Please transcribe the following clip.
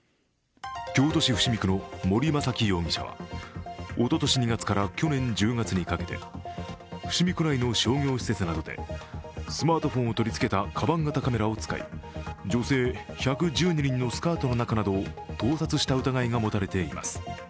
京都市伏見区の森雅紀容疑者はおととし２月から去年１０月にかけて伏見区内の商業施設などでスマートフォンを取りつけたかばん型カメラを使い女性１１２人のスカートの中などを盗撮した疑いが持たれています。